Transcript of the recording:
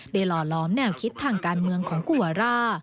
หล่อล้อมแนวคิดทางการเมืองของกูวาร่า